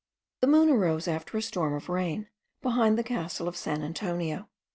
The moon arose after a storm of rain, behind the castle of San Antonio.